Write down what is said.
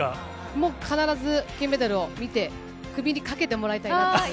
もう必ず金メダルを見て、首にかけてもらいたいなと思います。